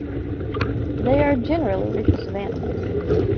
They are generally reclusive animals.